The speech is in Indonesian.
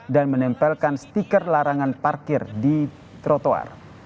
dan menempelkan stiker larangan parkir di trotoar